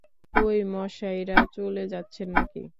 কই মশাইরা, চলে যাচ্ছেন নাকি?